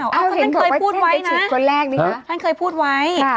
ท่านเคยพูดไว้นะท่านเคยพูดไว้